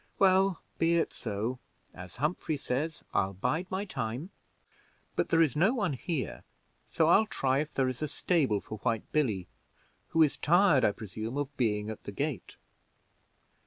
Well, be it so; as Humphrey says, 'I'll bide my time.' But there is no one here, so I'll try if there is a stable for White Billy, who is tired, I presume, of being at the gate."